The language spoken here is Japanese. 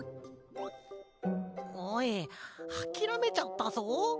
おいあきらめちゃったぞ。